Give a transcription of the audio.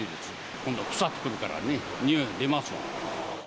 今度は腐ってくるからね、においが出ますよ。